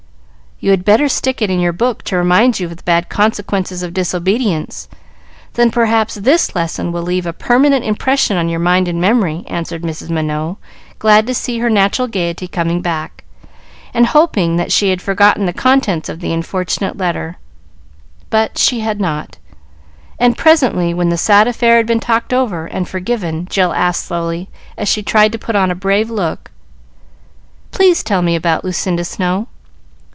"You had better stick it in your book to remind you of the bad consequences of disobedience, then perhaps this lesson will leave a 'permanent' impression on your mind and memory," answered Mrs. Minot, glad to see her natural gayety coming back, and hoping that she had forgotten the contents of the unfortunate letter. But she had not; and presently, when the sad affair had been talked over and forgiven, Jill asked, slowly, as she tried to put on a brave look, "Please tell me about Lucinda Snow.